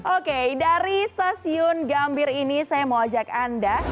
oke dari stasiun gambir ini saya mau ajak anda